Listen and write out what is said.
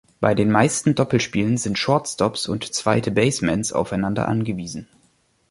Bei den meisten Doppelspielen sind Shortstops und zweite Basemans aufeinander angewiesen.